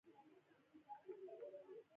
پښه په واټ روانه ده.